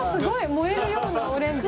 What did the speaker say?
燃えるようなオレンジ。